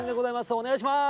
お願いします。